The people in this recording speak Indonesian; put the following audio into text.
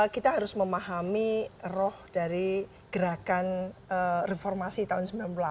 kita harus memahami roh dari gerakan reformasi tahun sembilan puluh delapan